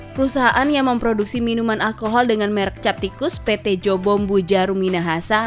perusahaan yang memproduksi minuman alkohol dengan merk capticus pt jobom bujarum minahasa